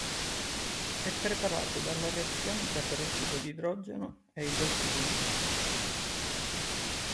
È preparato dalla reazione tra perossido di idrogeno e idrossido di litio.